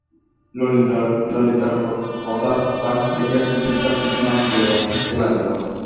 ললিতার কথার ঝাঁজ দেখিয়া সুচরিতা কিছু না বলিয়া হাসিতে লাগিল।